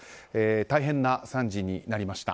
大変な惨事になりました。